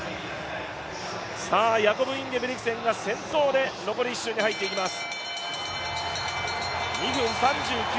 ヤコブ・インゲブリクセンが先頭で残り１周に入っていきます。